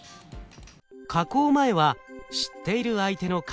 加工前は知っている相手の顔。